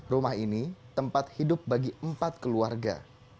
rumah ini tempat hidup bagi empat keluarga